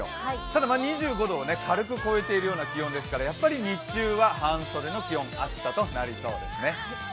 ただ、２５度を軽く超えているような気温ですから、やっぱり日中は半袖の気温、暑さとなりそうですね。